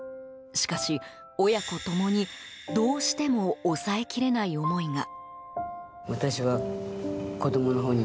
しかし、親子共にどうしても抑えきれない思いが。